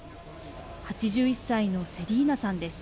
８１歳のセリーナさんです。